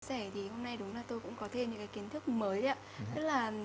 hôm nay tôi cũng có thêm những kiến thức mới